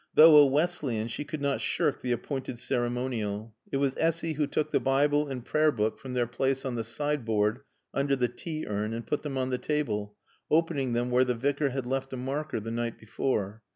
Though a Wesleyan she could not shirk the appointed ceremonial. It was Essy who took the Bible and Prayerbook from their place on the sideboard under the tea urn and put them on the table, opening them where the Vicar had left a marker the night before.